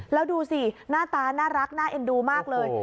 แล้วดูสิหน้าตาน่ารักน่าเอ็นดูมากเลย